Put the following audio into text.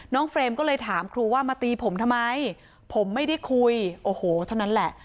เฟรมก็เลยถามครูว่ามาตีผมทำไมผมไม่ได้คุยโอ้โหเท่านั้นแหละ